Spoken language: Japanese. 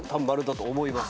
○だと思います。